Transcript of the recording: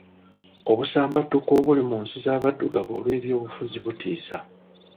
Obusambattuko obuli mu nsi z'abaddugavu olw'ebyobufuzi butiisa.